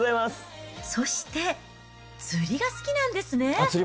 そして釣りが好きなんですね。